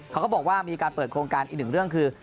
เขาก็บอกว่ามีการเปิดโครงการอีกหนึ่งเรื่องคือ